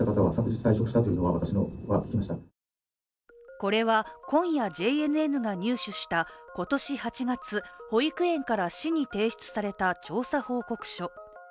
これは今夜、ＪＮＮが入手した今年８月保育園から市に提出された調査報告書。